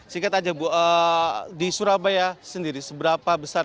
singkat aja bu di surabaya sendiri seberapa besar